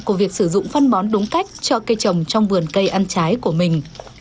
của việc sử dụng phân bón đúng cách cho cây trồng trong vườn cây ăn trái của mình